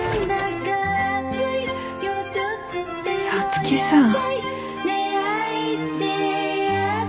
皐月さん。